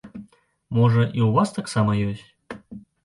Можа, і ў вас таксама ёсць?